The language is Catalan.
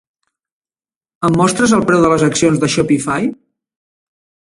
Em mostres el preu de les accions de Shopify?